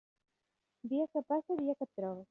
Dia que passa, dia que et trobes.